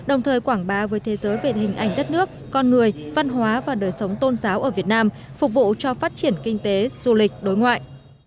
đồng thời quảng bá với thế giới về hình ảnh đất nước con người văn hóa và đời sống tôn giáo ở việt nam phục vụ cho phát triển kinh tế du lịch đối ngoại